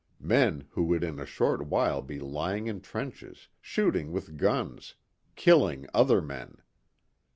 Men who would in a short time be lying in trenches, shooting with guns, killing other men.